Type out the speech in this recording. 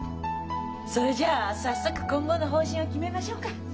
それじゃあ早速今後の方針を決めましょうか。